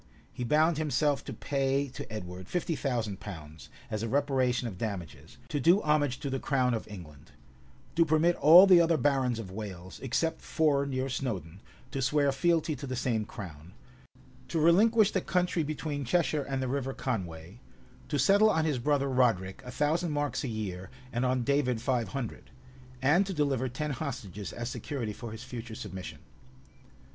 [] He bound himself to pay to Edward fifty thousand pounds, as a reparation of damages; to do homage to the crown of England; to permit all the other barons of Wales, except four near Snowdun, to swear fealty to the same crown; to relinquish the country between Cheshire and the River Conway; to settle on his brother Roderic a thousand marks a year, and on David five hundred; and to deliver ten hostages as security for his future submission.